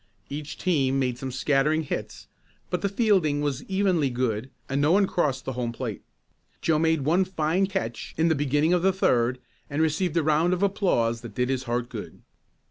Each team made some scattering hits but the fielding was evenly good, and no one crossed the home plate. Joe made one fine catch in the beginning of the third and received a round of applause that did his heart good.